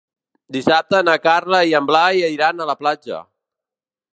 Dissabte na Carla i en Blai iran a la platja.